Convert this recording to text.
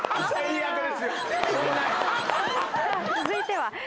続いては。